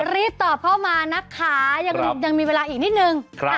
รีบตอบเข้ามานะคะยังมีเวลาอีกนิดนึง